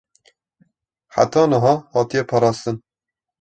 heta niha hatiye parastin